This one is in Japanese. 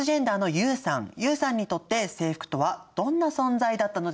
ユウさんにとって制服とはどんな存在だったのでしょうか？